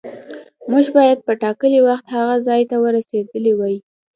موږ باید په ټاکلي وخت هغه ځای ته رسولي وای.